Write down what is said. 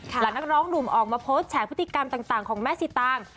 หลังนักร้องหนุ่มออกมาโพสต์แฉพฤติกรรมต่างของแม่สิตาง